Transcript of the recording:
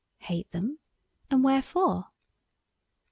"Hate them? and wherefore?"